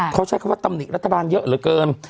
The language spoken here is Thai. เขาใช้คำว่าตำหนิรัฐบาลเยอะเหลือเกิน